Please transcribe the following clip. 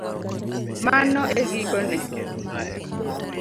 Mano e giko ne